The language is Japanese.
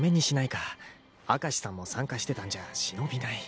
明石さんも参加してたんじゃ忍びない。